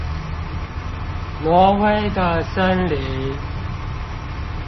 挪威的森林